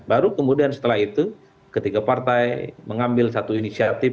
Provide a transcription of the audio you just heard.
baru kemudian setelah itu ketika partai mengambil satu inisiatif